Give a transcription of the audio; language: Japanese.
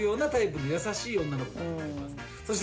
そして。